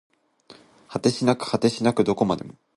果てしなく果てしなくどこまでも